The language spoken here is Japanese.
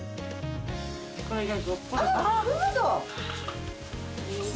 これが。